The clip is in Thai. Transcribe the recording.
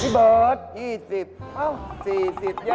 พี่เบิร์ต๒๐๔๐